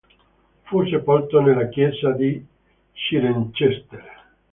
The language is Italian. Fu sepolto nella chiesa di Cirencester.